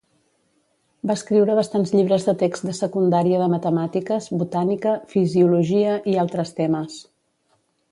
Va escriure bastants llibres de text de secundària de matemàtiques, botànica, fisiologia i altres temes.